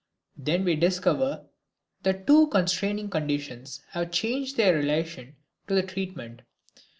Then we discover that two contrasting conditions have changed their relation to the treatment.